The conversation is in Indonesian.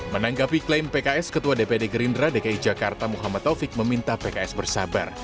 menanggapi klaim pks ketua dpd gerindra dki jakarta muhammad taufik meminta pks bersabar